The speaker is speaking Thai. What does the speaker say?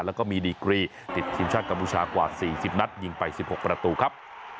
แล้วก็มีดีกรีติดทีมชาติกัมพูชากว่า๔๐นัดยิงไป๑๖ประตูครับ